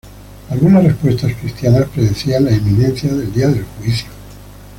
Algunas respuestas cristianas predecían la inminencia del Día del Juicio.